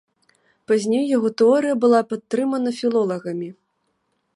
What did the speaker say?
Пазней яго тэорыя была падтрымана філолагамі.